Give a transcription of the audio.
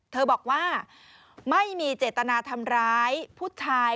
บอกว่าไม่มีเจตนาทำร้ายผู้ชาย